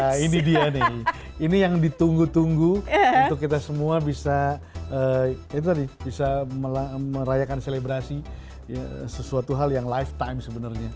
ya ini dia nih ini yang ditunggu tunggu untuk kita semua bisa merayakan selebrasi sesuatu hal yang lifetime sebenarnya